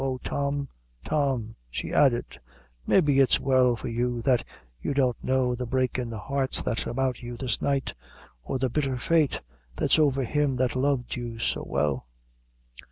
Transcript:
Oh, Tom, Tom," she added "maybe it's well for you that you don't know the breakin' hearts that's about you this night or the bitter fate that's over him that loved you so well."